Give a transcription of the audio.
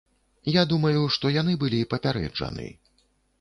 Я думаю, што яны былі папярэджаны.